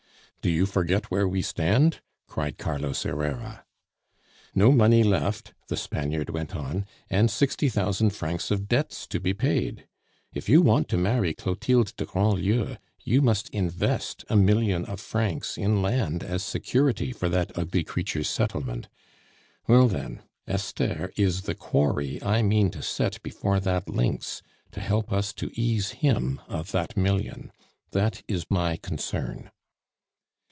"Do you forget where we stand?" cried Carlos Herrera. "No money left," the Spaniard went on, "and sixty thousand francs of debts to be paid! If you want to marry Clotilde de Grandlieu, you must invest a million of francs in land as security for that ugly creature's settlement. Well, then, Esther is the quarry I mean to set before that lynx to help us to ease him of that million. That is my concern."